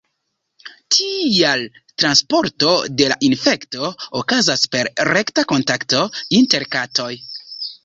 Tial transporto de la infekto okazas per rekta kontakto inter katoj.